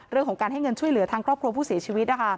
เรื่องของการให้เงินช่วยเหลือทางครอบครัวผู้เสียชีวิต